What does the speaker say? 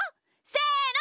せの！